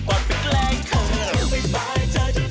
จะตามไปรอบโปรดจะไม่ให้หยุดยอด